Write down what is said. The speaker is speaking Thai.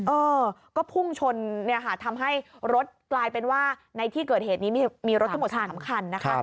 เออก็พุ่งชนทำให้รถกลายเป็นว่าในที่เกิดเหตุนี้มีรถทั้งหมดสำคัญ